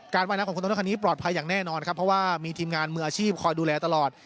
ว่ายน้ำของคนโตโน่คันนี้ปลอดภัยอย่างแน่นอนครับเพราะว่ามีทีมงานมืออาชีพคอยดูแลตลอด